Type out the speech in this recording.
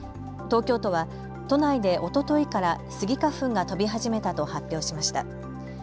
東京都は都内でおとといからスギ花粉が飛び始めたと発表しました。